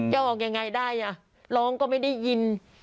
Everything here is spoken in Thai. ออกยังไงได้อ่ะร้องก็ไม่ได้ยิน